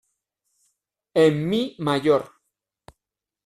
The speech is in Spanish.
En "mi" mayor.